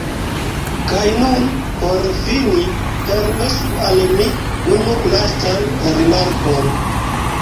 Kaj nun, por fini, permesu al mi unu lastan rimarkon.